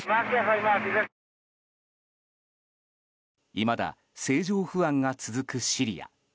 いまだ政情不安が続くシリア。